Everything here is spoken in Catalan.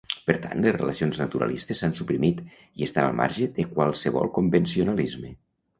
Per tant, les relacions naturalistes s'han suprimit i estan al marge de qualsevol convencionalisme.